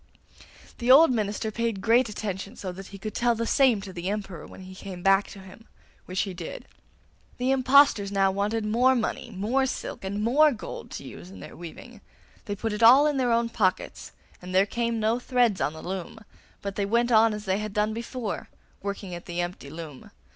The old minister paid great attention, so that he could tell the same to the Emperor when he came back to him, which he did. The impostors now wanted more money, more silk, and more gold to use in their weaving. They put it all in their own pockets, and there came no threads on the loom, but they went on as they had done before, working at the empty loom.